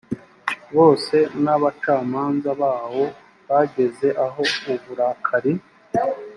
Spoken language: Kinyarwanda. bose n abacamanza bawo bageze aho uburakari